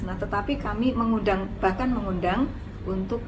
nah tetapi kami mengundang bahkan mengundang untuk